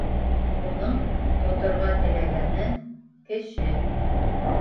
Уның тоторға теләгәне — Кеше!